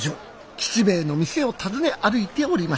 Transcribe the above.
吉兵衛の店を訪ね歩いておりました。